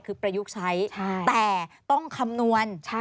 คือประยุกต์ใช้แต่ต้องคำนวณ